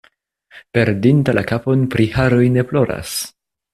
Perdinta la kapon pri haroj ne ploras.